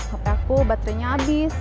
hape aku baterainya abis